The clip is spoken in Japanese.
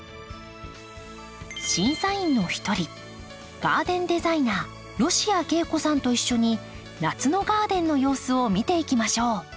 審査員の一人ガーデンデザイナー吉谷桂子さんと一緒に夏のガーデンの様子を見ていきましょう。